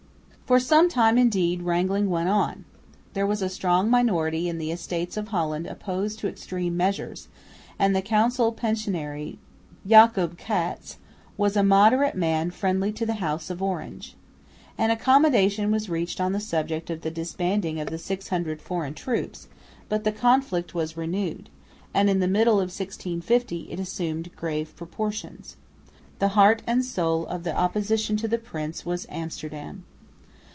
For some time, indeed, wrangling went on. There was a strong minority in the Estates of Holland opposed to extreme measures; and the council pensionary, Jacob Cats, was a moderate man friendly to the House of Orange. An accommodation was reached on the subject of the disbanding of the 600 foreign troops, but the conflict was renewed, and in the middle of 1650 it assumed grave proportions. The heart and soul of the opposition to the prince was Amsterdam.